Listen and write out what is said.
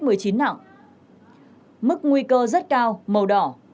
mức nguy cơ rất cao màu đỏ